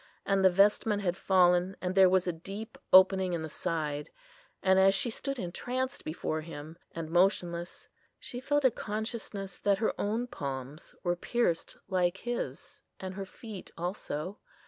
And the vestment had fallen, and there was a deep opening in the side. And as she stood entranced before Him, and motionless, she felt a consciousness that her own palms were pierced like His, and her feet also.